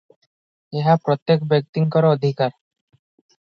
ଏହା ପ୍ରତ୍ୟେକ ବ୍ୟକ୍ତିଙ୍କର ଅଧିକାର ।